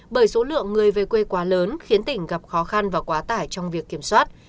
bởi số lượng người về quê quá lớn khiến tỉnh gặp khó khăn và quá tải trong việc kiểm soát